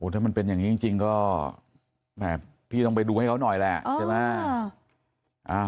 ถ้ามันเป็นอย่างนี้จริงก็แหมพี่ต้องไปดูให้เขาหน่อยแหละใช่ไหม